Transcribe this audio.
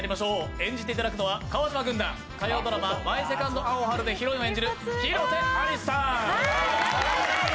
演じていただくのは川島軍団、火曜ドラマ「マイ・セカンド・アオハル」でヒロインを演じる、広瀬アリスさん。